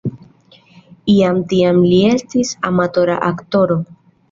Jam tiam li estis amatora aktoro.